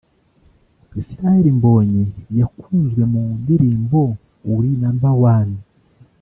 Israel Mbonyi yakunzwe mu ndirimbo Uri number One